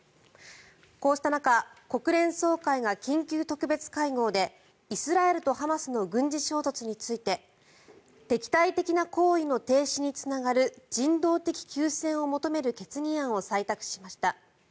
こうした中国連総会が緊急特別会合でイスラエルとハマスの軍事衝突について敵対的な行為の停止につながる人道的休戦を求める決議案を採択しました。